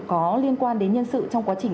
có liên quan đến nhân sự trong quá trình